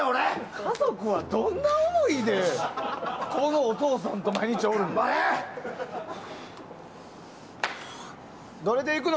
家族は、どんな思いでこのお父さんと毎日おるの。